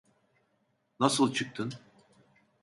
Nasıl çıktın?